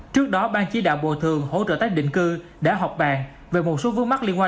trước đó ban chỉ đạo bộ thường hỗ trợ tái định cư đã họp bàn về một số vướng mắt liên quan